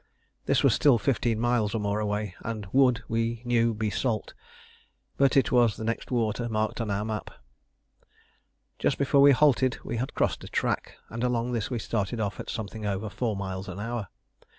This was still fifteen miles or more away, and would, we knew, be salt; but it was the next water marked on our map. Just before we halted we had crossed a track, and along this we started off at something over four miles an hour.